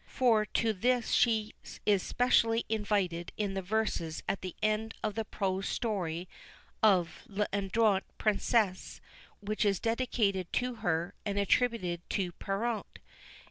For to this she is specially invited in the verses at the end of the prose story of L'Adroite Princesse, which is dedicated to her, and attributed to Perrault.